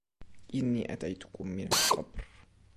إني أتيتكم من القبر